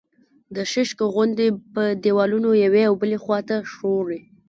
د شیشکو غوندې په دېوالونو یوې او بلې خوا ته ښوري